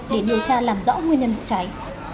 để điều tra làm rõ nguyên nhân của cháy